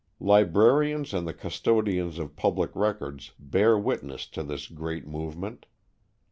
Librarians and the custodians of public records bear witness to this great movement.